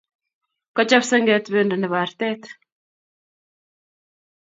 Kachop senget pendo nebo artet